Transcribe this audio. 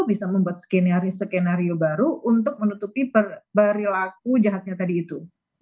bisa membuat skenario skenario baru untuk menutupi perilaku jahatnya tadi itu